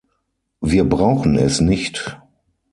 Wir brauchen es nicht!